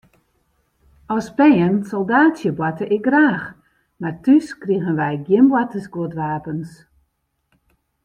As bern soldaatsjeboarte ik graach, mar thús krigen wy gjin boartersguodwapens.